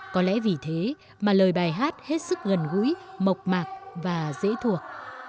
có lẽ vì thế mà lời bài hát hết sức gần gũi mộc mạc và dễ thuộc